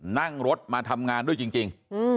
นั่งรถมาทำงานด้วยจริง